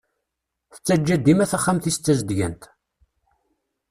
Tettaǧǧa dima taxxamt-is d tazeddgant.